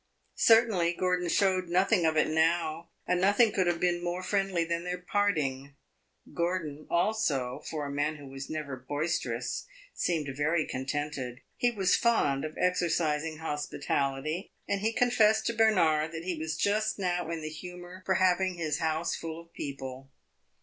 Certainly, Gordon showed nothing of it now, and nothing could have been more friendly than their parting. Gordon, also, for a man who was never boisterous, seemed very contented. He was fond of exercising hospitality, and he confessed to Bernard that he was just now in the humor for having his house full of people.